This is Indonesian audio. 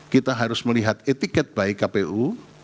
kita harus melihat etiket baik kpu